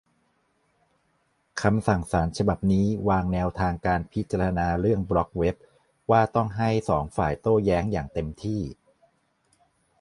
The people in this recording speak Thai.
คำสั่งศาลฉบับนี้วางแนวทางการพิจารณาเรื่องบล็อกเว็บ ว่าต้องให้สองฝ่ายโต้แย้งอย่างเต็มที่